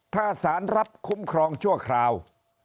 ถ้าสารรับคุ้มครองชั่วคราว